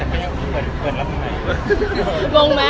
เปิดแล้วหมายถึงไง